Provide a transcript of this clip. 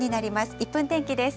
１分天気です。